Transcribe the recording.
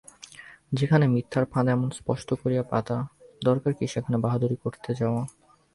যেখানে মিথ্যার ফাঁদ এমন স্পষ্ট করিয়া পাতা, দরকার কী সেখানে বাহাদুরি করিতে যাওয়া?